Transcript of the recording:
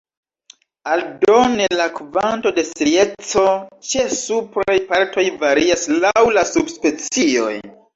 Aldone, la kvanto de strieco ĉe supraj partoj varias laŭ la subspecioj.